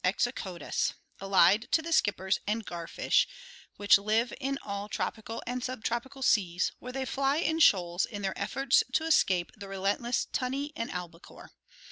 80), allied to the skippers and garfish, which live in all tropical and subtropical seas where they fly in shoals in their ef forts to escape the relentless tunny and albicore.